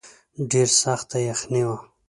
ډېره سخته یخني وه.